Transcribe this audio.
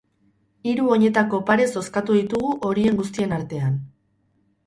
Hiru oinetako pare zozkatu ditugu horien guztien artean.